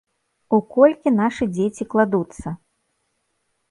У колькі нашы дзеці кладуцца?